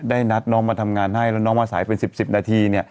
ได้นัดน้องมาทำงานให้แล้วน้องมาสายเป็นสิบสิบนาทีเนี้ย